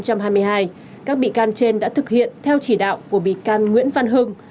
các bị can trên đã thực hiện theo chỉ đạo của bị can nguyễn văn hưng